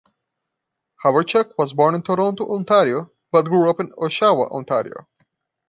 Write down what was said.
Hawerchuk was born in Toronto, Ontario, but grew up in Oshawa, Ontario.